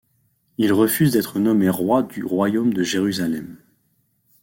Il refuse d'être nommé roi du royaume de Jérusalem.